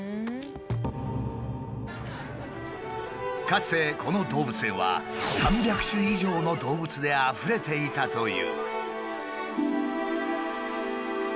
かつてこの動物園は３００種以上の動物であふれていたという。